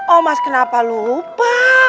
oh mas kenapa lupa